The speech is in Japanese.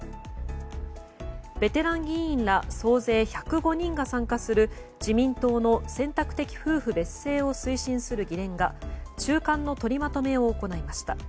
ベテラン議員ら総勢１０５人が参加する自民党の選択的夫婦別姓を推進する議連が中間の取りまとめを行いました。